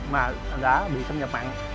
mà đã bị xâm nhập mặn